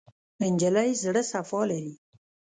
نجلۍ زړه صفا لري.